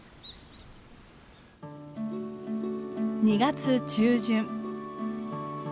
２月中旬。